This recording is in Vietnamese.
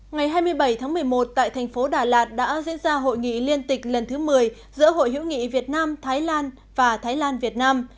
ngày hai mươi bảy tháng một mươi một tại thành phố đà lạt đã diễn ra hội nghị liên tịch lần thứ một mươi giữa hội hữu nghị việt nam thái lan và thái lan việt nam